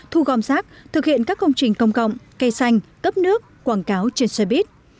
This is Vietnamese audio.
thu gom rác thực hiện các công trình công cộng cây xanh cấp nước quảng cáo trên xe buýt